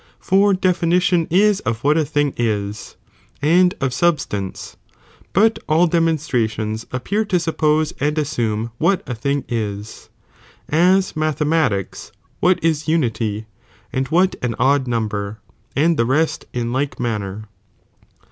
For definition is of what a thing is, and of substance, but all demonstrations appear to suppose and assume what a thing is, as mathematics, what is unity and what an odd number, and the rest in Uke manner.